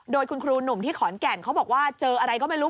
โดยคุณครูหนุ่มที่ขอนแก่นเขาบอกว่าเจออะไรก็ไม่รู้